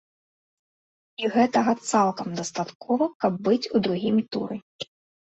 І гэтага цалкам дастаткова, каб быць у другім туры.